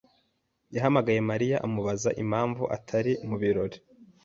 yahamagaye Mariya amubaza impamvu atari mu birori.